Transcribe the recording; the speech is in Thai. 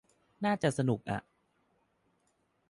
น่าจะสนุกอ่ะ